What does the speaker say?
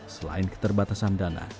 selain keterbatasan dana